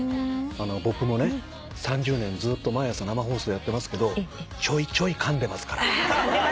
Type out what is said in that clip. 僕もね３０年ずっと毎朝生放送やってますけどちょいちょいかんでますから。